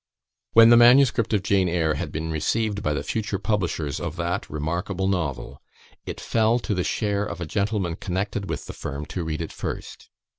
When the manuscript of "Jane Eyre" had been received by the future publishers of that remarkable novel, it fell to the share of a gentleman connected with the firm to read it first.